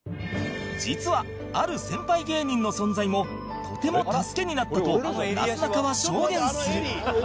実はある先輩芸人の存在もとても助けになったとなすなかは証言する